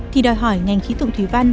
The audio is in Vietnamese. thì đòi hỏi ngành khí tục thủy văn